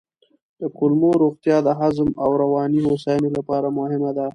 د کولمو روغتیا د هضم او رواني هوساینې لپاره مهمه ده.